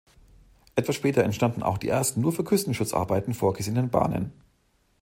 Etwas später entstanden auch die ersten nur für Küstenschutz-Arbeiten vorgesehenen Bahnen.